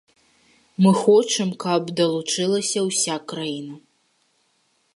Мы хочам, каб далучылася ўся краіна.